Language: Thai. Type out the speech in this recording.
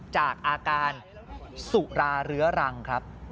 จากอาการสุราเรื้อรังครับ